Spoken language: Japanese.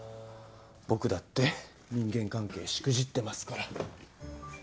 僕だって人間関係しくじってますから。